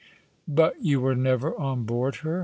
" But you were never on board her